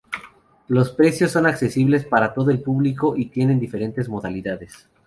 Los precios son accesibles para todo tipo de público y tienen diferentes modalidades.